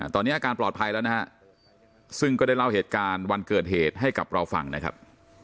ตอนนี้อาการปลอดภัยแล้วนะฮะซึ่งก็ได้เล่าเหตุการณ์วันเกิดเหตุให้กับเราฟังนะครับ